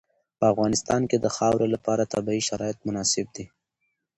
په افغانستان کې د خاوره لپاره طبیعي شرایط مناسب دي.